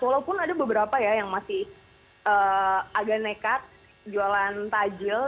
walaupun ada beberapa ya yang masih agak nekat jualan tajil